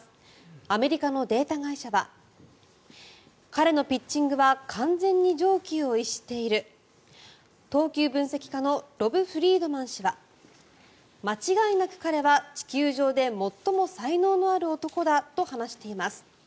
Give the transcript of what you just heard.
アメリカのデータ会社は彼のピッチングは完全に常軌を逸している投球分析家のロブ・フリードマン氏は間違いなく彼は地球上で最も才能のある男だと話しています。